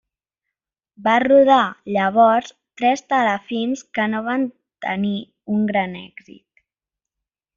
Va rodar llavors tres telefilms, que no van tenir un gran èxit.